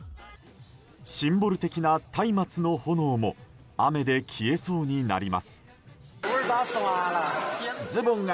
シンボル的なたいまつの炎も雨で消えそうになります。